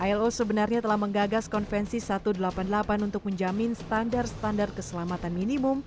ilo sebenarnya telah menggagas konvensi satu ratus delapan puluh delapan untuk menjamin standar standar keselamatan minimum